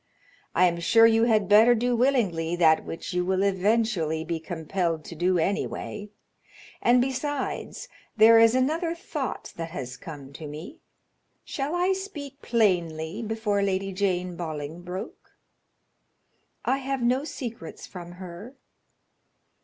I am sure you had better do willingly that which you will eventually be compelled to do anyway; and besides, there is another thought that has come to me; shall I speak plainly before Lady Jane Bolingbroke?" "I have no secrets from her."